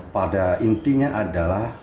pada intinya adalah